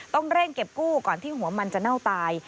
ต้องเร่งเก็บกู้ก่อนที่หัวมันจะเน่าตาย